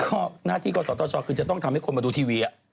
ก็หน้าที่ก่อนสอดต่อช้าคือจะต้องทำให้คนมาดูทีวี